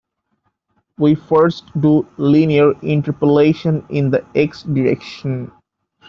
We first do linear interpolation in the "x"-direction.